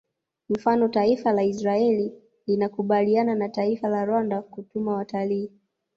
Mfano taifa la Israel linakubaliana na taifa la Rwanda kutuma watalii